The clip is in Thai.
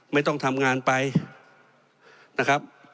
ไม่ต้องทำงานไปนะครับ